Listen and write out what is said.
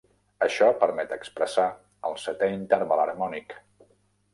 Això permet expressar el setè interval harmònic.